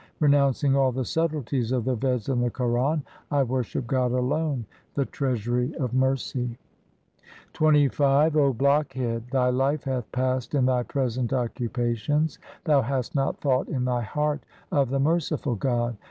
Renouncing all the subtleties of the Veds and the Quran. I worship God alone, the Treasury of mercy. XXV O blockhead, thy life hath passed in thy present occupa tions; thou hast not thought in thy heart of the merciful God.